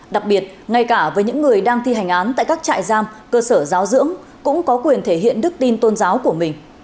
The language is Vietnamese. đặc biệt ngay cả với những người đang thi hành án tại các trại giam cơ sở giáo dưỡng cũng có quyền thể hiện đức tin tôn giáo của mình